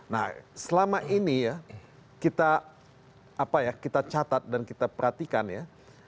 nah selama ini ya kita catat dan kita perhatikan ya